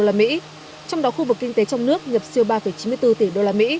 trong đó khu vực kinh tế trong nước nhập siêu ba chín mươi bốn tỷ usd